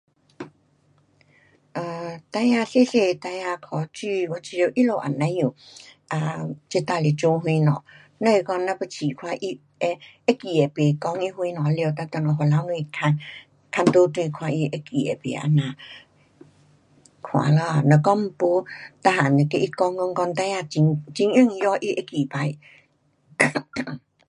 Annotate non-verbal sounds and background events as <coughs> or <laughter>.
呃，孩儿 um 小小个孩儿考书我觉得他们也甭晓 um 这哒是做什么，只是讲咱要试看他会，会记得不，讲他什么了哒等下回头翻问，问倒回他会记得不这样。看咯，若讲没每样都跟他讲讲讲，孩儿很，很容易哦他会记起。 <coughs>